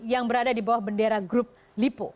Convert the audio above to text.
yang berada di bawah bendera grup lipo